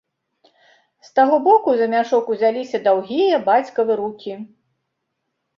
З таго боку за мяшок узяліся даўгія бацькавы рукі.